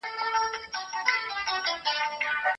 د لوڼو ژوند د چا لخوا خرابيږي؟